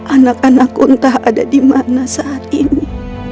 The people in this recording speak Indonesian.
anak anakku entah ada di makna saat ini